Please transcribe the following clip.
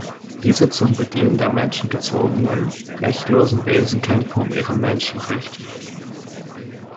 Diese zum Bedienen der Menschen gezogenen, rechtlosen Wesen kämpfen um ihre Menschenrechte.